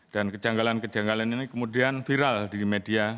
dan kejanggalan kejanggalan ini kemudian viral di media